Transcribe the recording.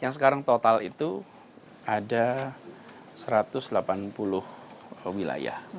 yang sekarang total itu ada satu ratus delapan puluh wilayah